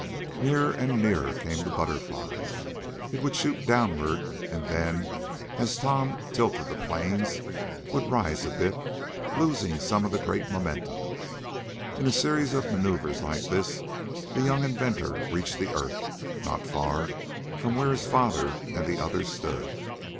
Nearer and nearer came the BUTTERFLY. It would shoot downward, and then, as Tom tilted the planes, would rise a bit, losing some of the great momentum. In a series of maneuvers like this, the young inventor reached the earth, not far from where his father and the others stood.